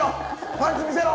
パンツ見せろ！」